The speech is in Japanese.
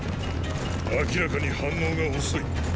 明らかに反応が遅い。